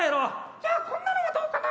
「じゃあこんなのはどうかな？」。何？